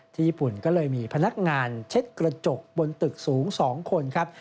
ญี่ปุ่นก็เลยมีพนักงานเช็ดกระจกบนตึกสูง๒คนครับ